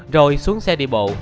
rồi xuống xe đi bộ